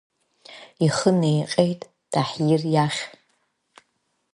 Ихы неиҟьеит Таҳир иахь.